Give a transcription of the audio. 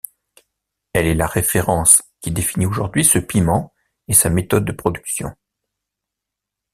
Elle est la référence qui définit aujourd'hui ce piment et sa méthode de production.